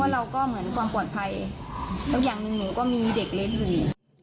ว่าเราก็เหมือนความปลอดภัยอย่างหนึ่งหนึ่งก็มีเด็กเล็กหนึ่ง